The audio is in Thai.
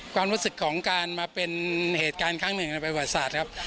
ความรู้สึกของการมาเป็นเหตุการณ์ครั้งหนึ่งในประวัติศาสตร์ครับ